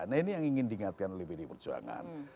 nah ini yang ingin diingatkan oleh bd perjuangan